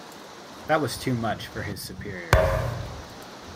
That was too much for his superiors.